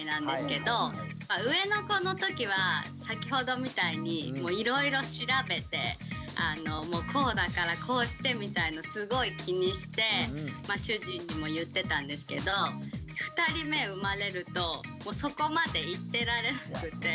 上の子のときは先ほどみたいにいろいろ調べてこうだからこうしてみたいのすごい気にして主人にも言ってたんですけど２人目生まれるとそこまで言ってられなくて。